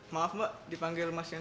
maaf mbak dipanggil mas yang di sana